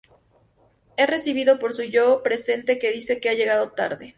Es recibido por su "yo" presente que dice que ha llegado tarde.